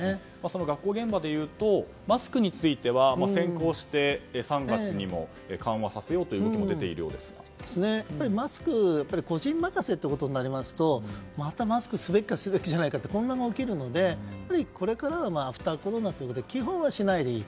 学校現場でいうとマスクについては先行して、３月にも緩和させようという話もやっぱりマスクは個人任せとなりますとまたマスクすべきかすべきじゃないかっていう混乱が起きるのでこれからはアフターコロナということで基本はしないでいいと。